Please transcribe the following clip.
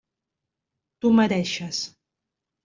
T'ho mereixes.